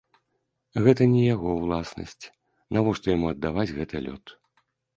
Гэта не яго ўласнасць, навошта яму аддаваць гэты лёд?